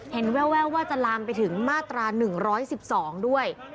แววว่าจะลามไปถึงมาตรา๑๑๒ด้วย